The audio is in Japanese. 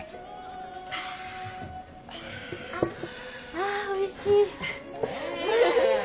ああおいしい。